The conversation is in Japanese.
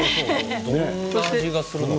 どんな味がするのか。